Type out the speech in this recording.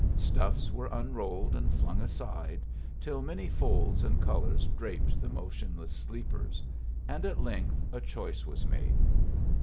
Stuffs were unrolled and flung aside till many folds and colors draped the motionless sleepers, and at length a choice was made.